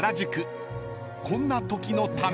［こんなときのため］